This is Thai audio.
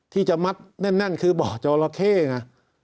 ที่จะมัดแน่นคือบ่อเจาะละเข้นะ